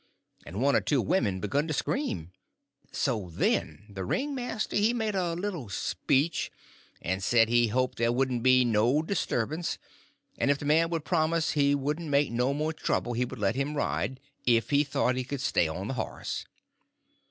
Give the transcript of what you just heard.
and one or two women begun to scream. So, then, the ringmaster he made a little speech, and said he hoped there wouldn't be no disturbance, and if the man would promise he wouldn't make no more trouble he would let him ride if he thought he could stay on the horse.